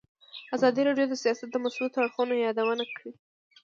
ازادي راډیو د سیاست د مثبتو اړخونو یادونه کړې.